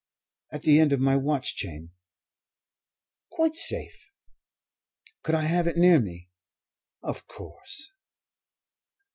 "At the end of my watch chain." "Quite safe." "Could I have it near me?" "Of course."